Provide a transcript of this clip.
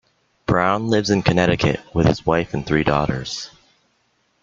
Browne lives in Connecticut with his wife and three daughters.